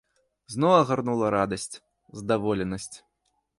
Зноў агарнула радасць, здаволенасць.